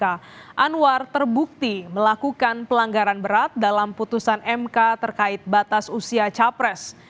anwar terbukti melakukan pelanggaran berat dalam putusan mk terkait batas usia capres